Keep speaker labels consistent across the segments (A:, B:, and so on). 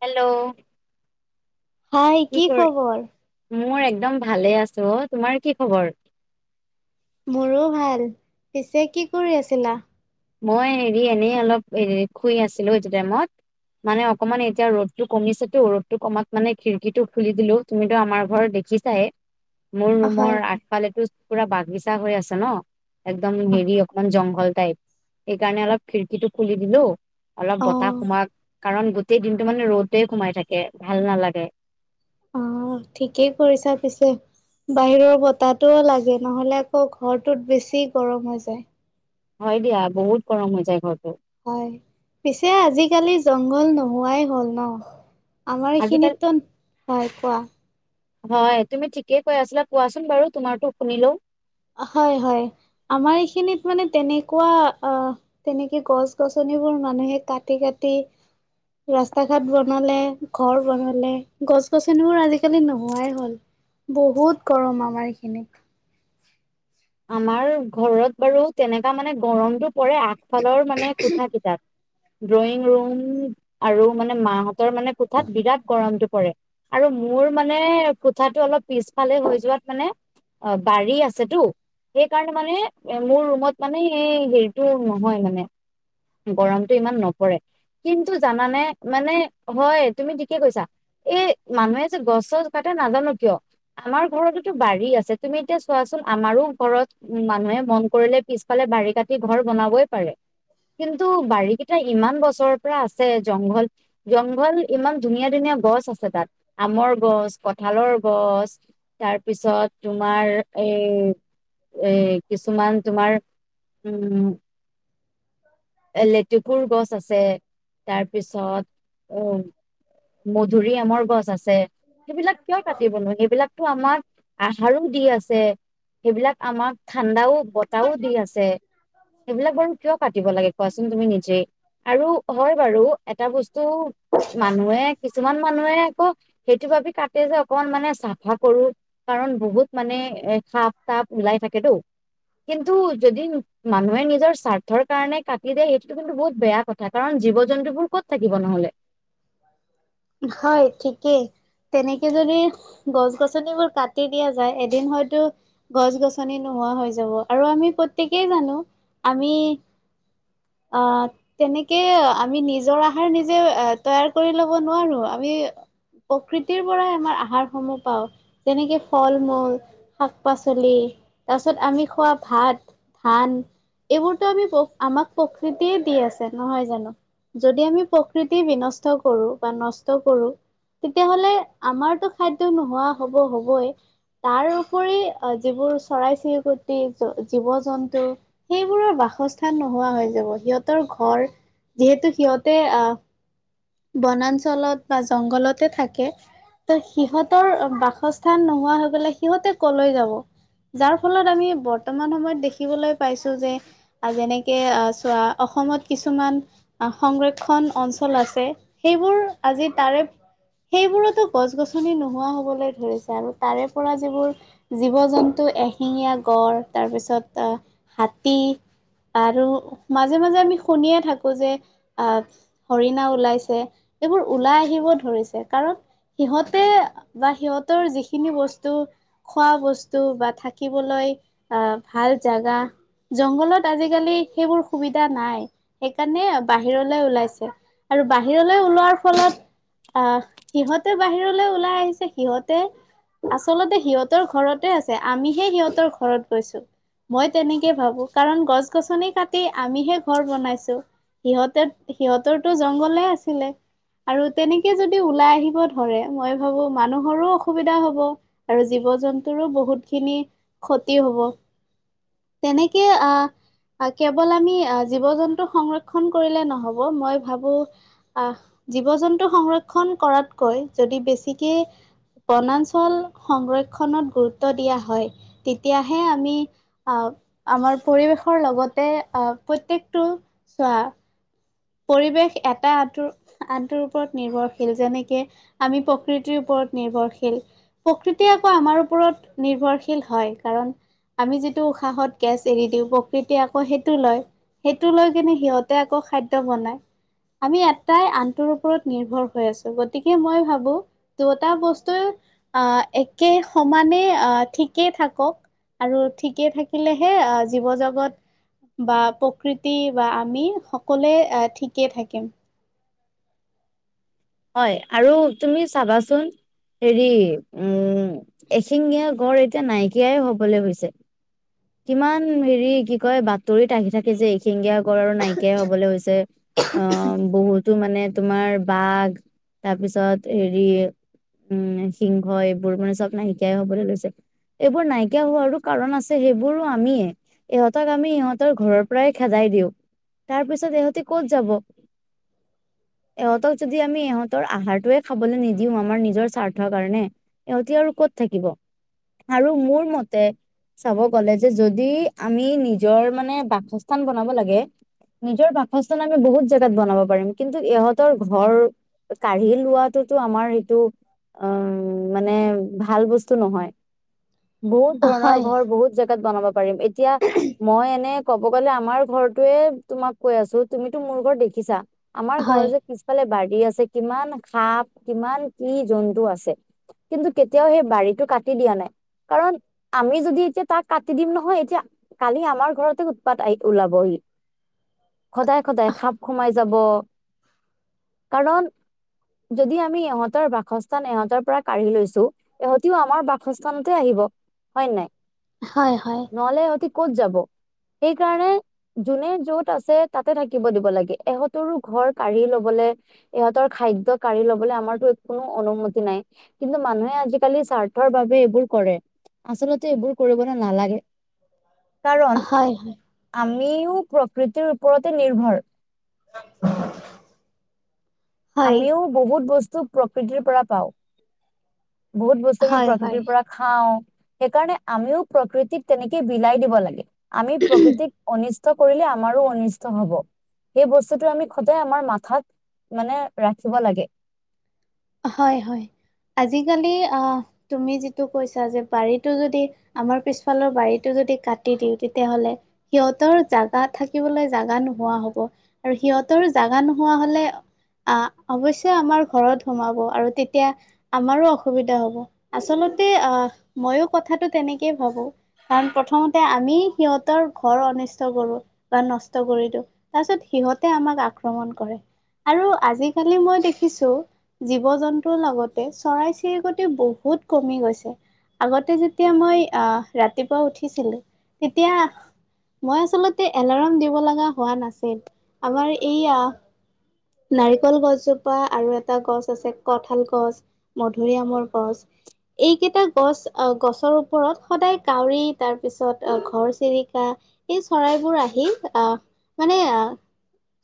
A: Hello.
B: Hi, কি খবৰ?
A: মোৰ একদম ভালে আছো অ। তোমাৰ কি খবৰ?
B: মোৰো ভাল পিছে কি কৰি আছিলা?
A: মই হেৰি এনেই অলপ হৰি শুই আছিলো এইটো টাইমত। মানে অকমান এতিয়া ৰ'দটো কমিছেতো। ৰ'দটো কমাত মানে খিৰিকীটো খুলি দিলো। তুমিতো আমাৰ ঘৰত দে বিছায় মোৰ
B: হয়
A: ৰুমৰ আগফালেতো পুৰা বাগিছা হৈ আছে ন, একদম
B: হয়,
A: হেৰি অকমান জংঘল। সেইকাৰণে অলপ খিৰিকীটো খুলি দিলো, অলপ
B: অ
A: বতাহ সোমাক। কাৰণ গোটেই দিনটো মানে ৰ'দে সোমাই থাকে, ভাল নালাগে।
B: অ, ঠিকেই কৰিছা পিছে। বাহিৰৰ বতাহটোও লাগে। নহলে আকৌ ঘৰটোত বেছি গৰম হৈ যায়।
A: হয় দিয়া বহুত গৰম হৈ যায় ঘৰত।
B: হয়, পিছে আজি-কালি জংঘল নোহোৱাই হ'ল ন। আমাৰ
A: আজিকালি
B: এইখিনিতটোন, হয় কোৱা।
A: হয়, তুমি ঠিকে কৈ আছিলা। কোৱাচোন বাৰু তোমাৰটো শুনিলো।
B: হয়-হয় আমাৰ, এইখিনিত মানে তেনেকুৱা অ তেনেকে গছ-গছনি সেইবোৰ মানুহে কাটি-কাটি ৰাস্তা ঘাট বনালে, ঘৰ বনালে। গছ-গছনিবোৰ আজি-কালি নোহোৱাই হ'ল। বহুত গৰম আমাৰ এইখিনিত।
A: আমাৰ ঘৰত বাৰু তেনেকা মানে গৰমতটো পৰে আগ ফালৰ মানে কোঠা কিতাপ ড্ৰয়িং ৰুম আৰু মানে মাহঁতৰ মানে কোঠাত বিৰাট গৰমতটো পৰে। আৰ আৰু মোৰ মানে কোঠাটো অলপ পিছফালে হৈ যোৱাত মানে অহ বাৰী আছেতো সেইকাৰণে মানে মোৰ ৰুমত মানে সেই হেৰিটো নহয় মানে গৰমতটো ইমান নপৰে। কিন্তু জানানে মানে হয় তুমি ঠিকে কৈছা। এই মানুহে যে গছ- চছ কাটে নাজানো কিয়? আমাৰ ঘৰতেতো বাৰী আছে তুমি এতিয়া চোৱাচোন আমাৰো ঘৰত উম মানুহে মন কৰিলে পিছফালে বাৰী কাটি ঘৰ বনাবই পাৰে কিন্তু বাৰী কেইটা ইমান বছৰৰ পৰা আছে জংঘল -জংঘল ইমান ধুনীয়া- ধুনীয়া গছ আছে তাত আমৰ গছ, কঠালৰ গছ, তাৰপিছত তোমাৰ এ- এ কিছুমান তোমাৰ উম এ লেটুকুৰ গছ আছে, তাৰপিছত অহ মধুৰি আমৰ গছ আছে সেইবিলাক কিয় কাটিবনো সেইবিলাকতো আমাৰ আহাৰো দি আছে সেইবিলাক আমাক ঠাণ্ডাও বতাহও দি আছে, সেইবিলাক বাৰু কিয় পাতিব লাগে কোৱাচোন তুমি নিজে আৰু হয় বাৰু এটা বস্তু মানুহে কিছুমান মানুহে আকৌ সেইটো ভাবি কাটে যে অকমান মানে চাফা কৰো কাৰণ বহুত মানে এ সাপ -তাপ ওলাই থাকেতো। কিন্তু যদি মানুহে নিজৰ স্বাৰ্থৰ কাৰণে কাত দে সেইটোটো কিন্তু বহুত বেয়া কথা কাৰণ জীৱ- জন্তুবোৰ ক'ত থাকিব নহ'লে।
B: হয়, ঠিকেই। তেনেকে যদি গছ- গছনিবোৰ কাটি দিয়া যায় এদিন হয়তো গছ -গছনি নোহ নোহোৱা হৈ যাব আৰু আমি প্ৰতকেই জানো আমি অহ, তেনেকে আমি নিজৰ আহাৰ নিজে তৈয়াৰ কৰি ল'ব নোৱাৰো আমি প্ৰকৃতিৰ পৰাই আমাৰ আহাৰসমূহ পাও যেনেকে ফল -মূল, শাক- পাচলি তাৰপিছত আমি খোৱা ভাত, ধান এইবোৰতো আমি আমাক প্ৰকৃতিয়ে দি আছে নহয় জানো। যদি আমি প্ৰকৃতি বিনষ্ট কৰো বা নষ্ট কৰো তেতিয়াাহলে আমাৰতো খাদ্য নোহোৱা হ'ব হবই তাৰওপৰি যিবোৰ চৰাই -চিৰিকটি, জীৱ -জন্তু সেইবোৰৰ বাস বাসস্থান নোহোৱা হৈ যাব সিহঁতৰ ঘৰ যিহেতু সিহঁতে আহ বনাঞ্চলত বা জংঘলতে থাকে। ত সিহঁতৰ বাসস্থান নোহোৱা হৈ গলে সিহঁতে কলৈ যাব। যাৰ ফলত আমি বৰ্তমান সময়ত দেখিবলৈ পাইছো যে যেনেকে চোৱা অসমত কিছুমান সংৰক্ষণ অঞ্চল আছে সেইবোৰ আজি তাৰে সেইবোৰতো গছ -গছনি নোহোৱা হবলৈ ধৰিছে আৰু তাৰে পৰা যিবোৰ জীৱ - জন্তু এশিঙীয়া গঁড় তাৰপিছত হাতী আৰু মাজে- মাজে আমি শুনিয়ে থাকো যে আহ হৰিণা ওলাইছে তে এইবোৰ ওলাই আহিব ধৰিছে কাৰণ সিহঁতে বা সিহঁতৰ যিখিনি বস্তু খোৱা বস্তু বা থাকিবলৈ আহ, ভাল জাগা জংঘলত আজিকালি সেইবোৰ সুবিধা নাই সেইকাৰণে বাহিৰলে ওলাইছে আৰু বাহিৰলৈ ওলোৱাৰ ফলত আহ সিহঁতে বাহিৰলৈ ওলাই আহিছে সিহঁতে আচলতে সিহঁতৰ ঘৰতে আছে আমিহে সিহঁতৰ ঘৰত গৈছো। মই তেনেকে ভাবো কাৰণ গছ গছ -গছনি কাতি আমিহে ঘৰ বনাইছো সিহঁতে সিহঁতৰ টো জন্তু গলে আছিলে আৰু তেনেকে যদি ওলাই আহিব ধৰে মই ভাবো মানুহৰো অসুবিধা হব আৰু যি জীৱ -জন্তুৰো বহুত খিনি ক্ষতি হ'ব তেনেকে আহ কেৱল আমি জীৱ- জন্তু সংৰক্ষণ কৰিলে নহব মই ভাবো আহ, জীৱ -জন্তু সংৰক্ষন কৰাতকৈ যদি বেছিকে বনাঞ্চল সংৰক্ষণত গুৰুত্ব দিয়া হয় তেতিয়াহে আমি আহ। আমাৰ পৰিৱেশৰ লগতে আহ প্ৰত্য়েকটো চোৱা। পৰিৱেশ এটা আটোৰ ওপৰত নিৰ্ভৰশীল যেনেকে আমি প্ৰকৃতিৰ ওপৰত। নিৰ্ভৰশীল প্ৰকৃতি আকৌ আমাৰ ওপৰত নিৰ্ভৰশীল হয় কাৰণ। আমি যিটো উশাহত গেছ এৰি দিওঁ প্ৰকৃতিয় আকৌ সেইটো লয়। সেইটো লৈ কিনে সিহঁতে আকৌ খাদ্য বনাই। আমি এটাই আনটোৰ ওপৰত নিৰ্ভৰ হৈ আছো গতিকে মই ভাবো দুটা বস্তুৱে? আহ একে সমানে আহ ঠিকেই থাকক। আৰু ঠিকে থাকিলেহে জীৱ জগত। বা প্ৰকৃতি বা আমি সকলোৱে ঠিকেই থাকিম।
A: হয় আৰু তুমি চাবাচোন হেৰি উম এশিঙীয়া গড় এতিয়া নাইকিয়াই হবলৈ গৈছে। কিমান হেৰি কি কয় বাতৰিত আহি থাকে যে এশিঙগীয়া। আৰু নাইকিয়াই হবলৈ হৈছে অ বহুত। টো মানে তোমাৰ বাঘ তাৰপিছত হেৰি। উম সিংহ এইবোৰ মানে চব নাইকাই হবলৈ লৈছে। এইবোৰ নাইকিয়া হোৱাৰো কাৰণ আছে সেইবোৰ। সেই বোৰো আমিয়ে ইহঁতক আমি ইহঁতৰ ঘৰৰ পৰাই খেদাই দিওঁ। তাৰ পিছত ইহঁতি ক'ত যাব।
B: [unintelligible]
A: ইহঁতক যদি আমি ইহঁতৰ আহাৰটোৱে খাবলৈ নিদিওঁ আমাৰ নিজৰ স্বাৰ্থৰ কাৰণে ইহঁতি আৰু কত। থাকিব আৰু মোৰ মতে চাব। ক'লে যে যদি আমি নিজৰ মানে বাসস্থান বনাব লাগে। নিজৰ বাসস্থান আমি বহুত জেগাত বনাব পাৰিম কিন্তু ইহঁতৰ ঘৰ। কাঢ়ি লোৱা টোতো আমাৰ এইটো উম মানে ভাল বস্তু নহয়। বহুত ধৰণৰ
B: হয়
A: ঘৰ বহুত জে বনাব পাৰিম এতিয়া মই এনে ক'ব গ'লে আমাৰ ঘৰটোৱে তোমাক কৈ আছো তুমিতো ৰ দেখিছ আাৰ ঘৰৰ
B: হয়
A: যে পিছালে ব [unintelligible] আছে কিমান সাপ কিমান কি জন্তু আছে কিন্তু কেতিয়াও সেই বাৰীটো কাটি দিয়া নাই কাৰণ আমি যদি এতিয়া তাক কাটি দিম নহয়। এতিয়া কালি আমাৰ ঘৰতে উৎপাত আহি ওলাবহি। সদায় সদায় সাপ সোমাই যাব কাৰণ যদি আমি ইহঁতৰ বাসস্থান ইহঁতৰ পৰা কাঢ়ি লৈছো ইহঁতিও আমাৰ বাসস্থানতে আহিব হয় নাই। নহলে ইহঁতি ক'ত যাব?
B: উ [unintelligible]
A: সেইকাৰণে যোনে য'ত আছে তাতে থাকিব দিব লাগে এহঁতৰো ঘৰ কাঢ়ি লবলে ইহঁতৰ খাদ্য কাঢ়ি লবলে আমাৰতো কোনো অনুমতি নাই কিন্তু মানুহে আজিকালি স্বাৰ্থ এইবোৰ কৰে আচলতে এইবোৰ কৰিব [unintelligible] নালাগে কাৰণ
B: হয় হয়
A: আমি ইও প্ৰকৃতিৰ ওপৰতে নিৰ্ভৰ আমিও
B: হয়
A: বহুত বস্তু প্ৰকৃতিৰ পৰা পাওঁ। বহুত বস্তু আমি
B: হয় হয়
A: প্ৰকৃতিৰ পৰা খাওঁ। সেইকাৰণে আমিও প্ৰকৃতিক তেনেকে বিলাই দিব লাগে আমি প্ৰকৃতিক অনি কৰিলে আমাৰো অনিষ্ট হব সেই বস্তুটো আমি সদায় আমাৰ মাথাত মানে ৰাখিব লাগে।
B: হয় হয়। আজিকালি আহ তুমি যিটো কৈছা যে বাৰীটো যদি আমাৰ পিছফালৰ বাৰীটো যদি কাটি দিওঁ তেতিয়াহলে সিহঁতৰ জাগা থাকিবলৈ জাগা নোহোৱা হব আৰু সি তৰ জাগা নোহোৱা হলে আহ অৱশ্যে আমাৰ ঘৰত সোমাব আৰু তেতিয়া আমাৰো অসুবিধা হব। আচলতে ময়ো কথাতো তেনে এনেকেই ভাবো। কাৰণ প্ৰথমতে আমি সিহঁতৰ ঘৰ অনিষ্ট কৰো বা নষ্ট কৰি দিওঁ। তাৰপিছত সিহঁতে আমাক আক্ৰমণ কৰে আৰু আজি-কালি মই দেখিছো জীৱ-জন্তুৰ লগতে চৰাই-চিৰিকটিও বহুত কমি গৈছে। আগতে যেতিয়া মই আহ ৰাতিপুৱা উঠিছিলো। তেতিয়া মই আচলতে এলাৰ্ম দিব লগা হোৱা নাছিল। আমাৰ এইয়া নাৰিকল গছজোপা আৰু এটা গছ আছে কঠাল গছ, মধুৰিআমৰ গছ এইকেইটা গছ আহ গছৰ ওপৰত সদায় কাউৰী তাৰ পিছত ঘৰ- চিৰিকা এই চৰাইবোৰ আহি আহ মানে আহ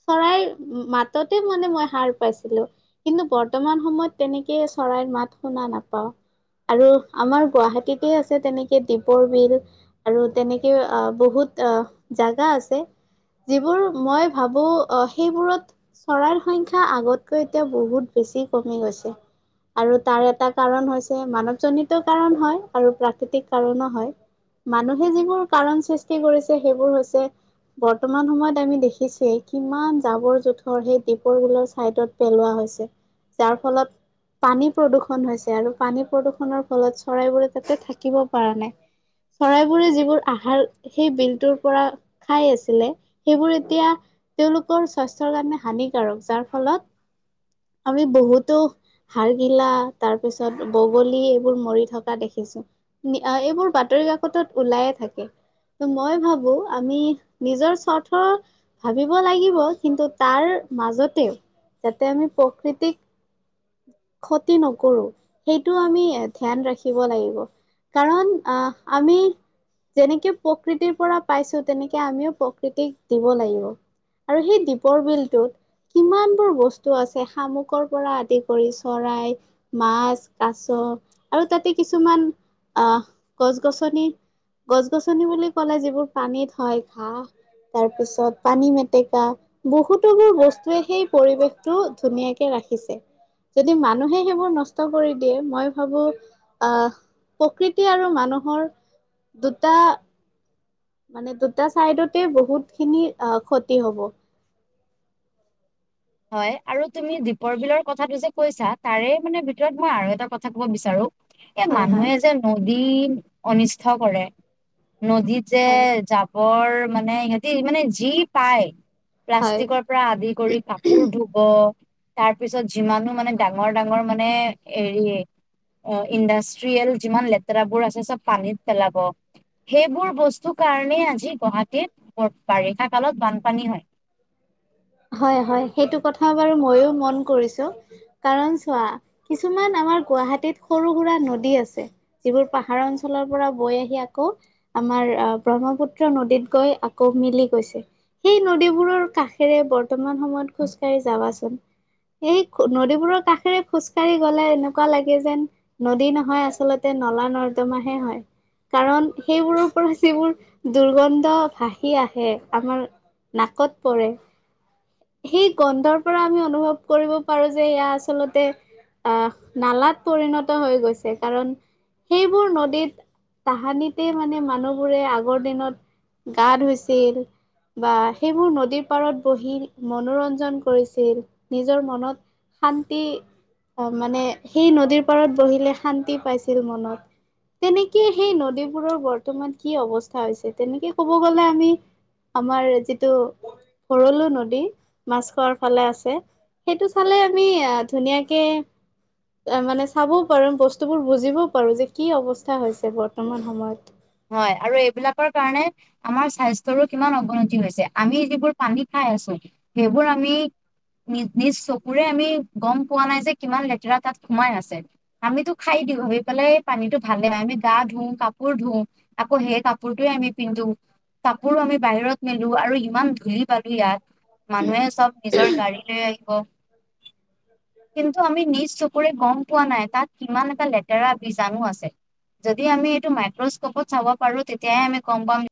B: চৰাইৰ মাত ততে মানে মই হাৰ পাইছিলো। কিন্তু বৰ্তমান সময়ত তেনেকে চৰাইৰ মাত শুনা নাপাওঁ। আৰু আমাৰ গুৱাহাটীতে আছে তেনেকে দীপৰ বিল আৰু তেনেকে আ বহুত জাগা আছে। যিবোৰ মই ভাবো সেইবোৰত চৰাইৰ সংখ্যা আগতকৈ এতিয়া বহুত বেছি কমি গৈছে। আৰু তাৰ এটা কাৰণ হৈছে মানৱজনীত কাৰণ হয় আৰু প্ৰাকৃতিক কাৰণো হয়। মানুহে যিবোৰ কাৰণ সৃষ্টি কৰিছে সেইবোৰ হৈছে বৰ্তমান সময়ত আমি দেখিছোৱে। কিমান জাৱৰ-জোথ সেই দীপৰবিলৰ চাইডত পেলোৱা হৈছে। যাৰ ফলত পানী প্ৰদূষণ হৈছে আৰু পানী প্ৰদূষণৰ ফলত চৰাইবোৰে তাতে থাকিব পৰা নাই। চৰাইবোৰে যিবোৰ আহাৰ সেই বিলটোৰ পৰা খাই আছিলে, সেইবোৰ এতিয়া তেওঁলোকৰ স্বাস্থ্যৰ কাৰণে হানিকাৰক। যাৰ ফলত আমি বহুতো হাৰগিলা তাৰপিছত বগলী এইবোৰ মৰি থকা দেখি এইবোৰ বাতৰি কাকতত ওলায়ে থাকে। মই ভাবো আমি নিজৰ স্বাৰ্থ ভাবিব লাগিব। কিন্তু তাৰ মাজতেও যাতে আমি প্ৰকৃতিক ক্ষতি নকৰো সেইটো আমি ধ্যান ৰাখিব লাগিব। কাৰণ আ আমি যেনেকে প্ৰকৃতিৰ পৰা পাইছো তেনেকে আমিও প্ৰকৃতিক দিব লাগিব। আৰু সেই দ্বীপৰ বিলটোত কিমানবোৰ বস্তু আছে শামুকৰ পৰা আদি কৰি চৰাই, মাছ, কাছ আৰু তাতে কিছুমান আহ, গছ গছনি -গছ গছনি বুলি ক'লে যিবোৰ পানীত হয় ঘাঁহ তাৰ পিছত পানী মেটেকা, বহুতো বোৰ বস্তুৱে সেই পৰিৱেশতটো ধুনীয়াকে ৰাখ খিছে, যদি মানুহে সেইবোৰ নষ্ট কৰি দিয়ে মই ভাবো আহ প্ৰকৃতি আৰু মানুহৰ দুটা মানে দুটা চাইডতে বহুত খিনি আহ ক্ষতি হব।
A: হয় আৰু তুমি দ্বীপৰ বিলৰ কথাটো যে কৈছা। তাৰে মানে ভিতৰত মই আৰু এটা কথা ক'ব বিচাৰো। এ
B: হয় হয়।
A: মানুহে যে নদী অনিষ্ট কৰে। নদীত যে
B: হয়
A: জাবৰ মানে সিহঁতি মানে যি পায়
B: হয়
A: প্লাষ্টিকৰ পৰা আদি কৰি কাপোৰ ধুব। অ, তাৰ পিছত যিমানো মানে ডাঙৰ ডাঙৰ মানে হেৰি অ ইণ্ডাষ্ট্ৰিয়েল যিমান লেতেৰাবোৰ আছে চব পানীত পেলাব। সেইবোৰ বস্তু কাৰণেই আজি গুৱাহাটীত বাৰিষা কালত বানপানী হয়।
B: [inaudible] হয়, হয়। সেইটো কথা বাৰু ময়ো মন কৰিছো। কাৰণ চোৱা কিছুমান আমাৰ গুৱাহাটীত সৰু সুৰা নদী আছে। যিবোৰ পাহাৰ অঞ্চলৰ পৰা বৈ আহি আকৌ আমাৰ আ ব্ৰহ্মপুত্ৰ নদীত গৈ আকৌ মিলি গৈছে। সেই নদীবোৰৰ কাষ ষেৰে বৰ্তমান সময়ত খোজকাঢ়ি যাবাচোন। এই নদীবোৰৰ কাষেৰে খোজকাঢ়ি গ'লে এনেকুৱা লাগে যেন নদী নহয় আচলতে নলা- নৰ্দমাহে হয়। কাৰণ সেইবোৰৰ পৰা যিবোৰ দুৰ্গন্ধ ভাসি আহে আমাৰ নাকত পৰে। সেই গন্ধৰ পৰা আমি অনুভৱ কৰিব পাৰো যে ইয়া আচলতে আহ, নালাত পৰিণত হৈ গৈছে কাৰণ সেইবোৰ নদীত তাহানিতে মানে মানুহবোৰে আগৰ দিনত গা ধুইছিল বা সেইবোৰ নদীৰ পাৰত বহি মনোৰঞ্জন কৰিছিল নিজৰ মনত শান্তি অহ, মানে সেই নদীৰ পাৰত বহিলে শান্তি পাইছিল মনত। তেনেকে সেই নদীবোৰৰ বৰ্তমান কি অৱস্থা হৈছে তেনেকে ক'ব গলে আমি আমাৰ যিটো ভৰলো নদী মাছ খোৱাৰ ফালে আছে সেইটো চালে আমি আ ধুনীয়াকে মানে চাবও পাৰো বস্তুবোৰ বুজিবও পাৰো যে কি অৱস্থা হৈছে বৰ্তমান সময়ত।
A: হয়, আৰু এইবিলাকৰ কাৰণে আমাৰ স্বাস্থ্যৰো কিমান অৱনতি হৈছে আমি যিবোৰ পানী খাই খাই আছো সেইবোৰ আমি নিজ -নিজ চকুৰে আমি গম পোৱা নাই যে কিমান লেতেৰা তাত সোমাই আছে আমিতো খাই দি ভাবি পেলাই পানীটো ভালে নাই আমি গা ধো, কাপোৰ ধো, আকৌ সেই কাপোৰটো আমি পিন্ধো। কাপোৰো আমি বাহিৰত মেলো আৰু ইমান ধূলি -বালি ইয়াত মানুহে চব নিজৰ গাড়ী লৈ আহিব কিন্তু আমি নিজ চকুৰে গম পোৱা নাই তাত কিমান এটা লেতেৰা বীজাণু আছে। যদি আমি এইটো মাইক্ৰ [unintelligible] পাৰো তেতিয়াহে আমি গম পাম